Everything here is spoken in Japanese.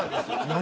何？